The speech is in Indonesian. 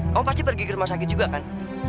kamu pasti pergi ke rumah sakit juga kan